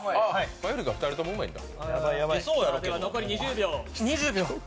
マユリカは２人ともうまいんだ。